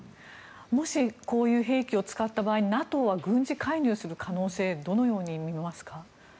もしこういう兵器を使った場合ＮＡＴＯは軍事介入する可能性はどのように見ますか。